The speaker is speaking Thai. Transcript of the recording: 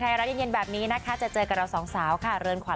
ไทยรับยินแบบนี้นะคะจะเจอกันเราสองสาวค่ะเริ่มขวัญ